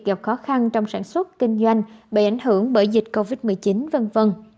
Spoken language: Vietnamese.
gặp khó khăn trong sản xuất kinh doanh bị ảnh hưởng bởi dịch covid một mươi chín v v